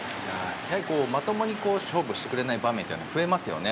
やはり、まともに勝負してくれない場面が増えますよね。